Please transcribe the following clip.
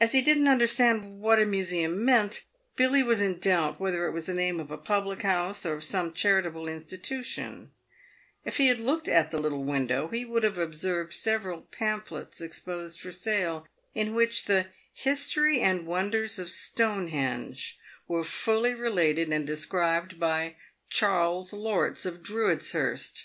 As he didn't understand what a museum meant, Billy was in doubt whether it was the name of a public house, or of some charitable institution. If he had looked at the little window, he would have observed several pamphlets exposed for sale, in which the * This name was formerly written Druidshurst. PAVED WITH GOLD. 281 ff History and wonders of Stonehenge" were fully related and described by " Charles Lorts, of Drudeshurst."